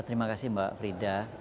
terima kasih mbak frida